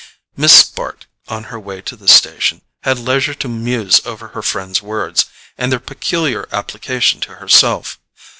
Miss Bart, on her way to the station, had leisure to muse over her friend's words, and their peculiar application to herself.